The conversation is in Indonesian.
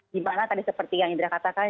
dimana tadi seperti yang idra katakan